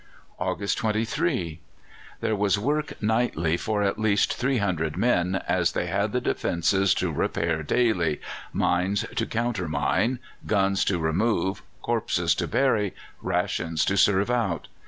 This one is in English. August 23. There was work nightly for at least 300 men, as they had the defences to repair daily, mines to countermine, guns to remove, corpses to bury, rations to serve out.